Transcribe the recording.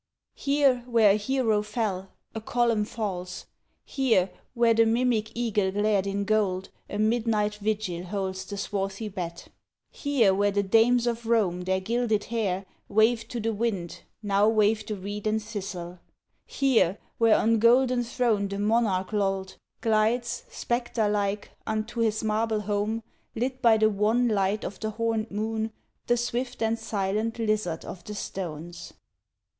Here, where a hero fell, a column falls! Here, where the mimic eagle glared in gold A midnight vigil holds the swarthy bat! Here, where the dames of Rome their gilded hair Waved to the wind, now wave the reed and thistle! Here, where on golden throne the monarch lolled, Glides, spectre like, unto his marble home, Lit by the wan light of the horned moon, The swift and silent lizard of the stones!